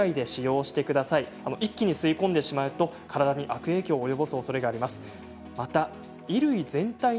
一気に吸い込むと体に悪影響を及ぼすおそれがあります。